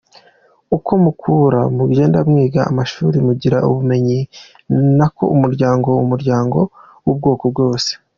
Uko mukura mugenda mwiga amashuri, mugira ubumenyi ni nako umuryango, umuryango w’ubwoko bwose.